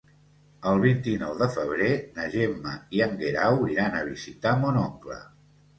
El vint-i-nou de febrer na Gemma i en Guerau iran a visitar mon oncle.